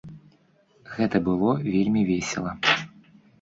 Гэта было вельмі весела.